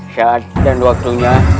saat dan waktunya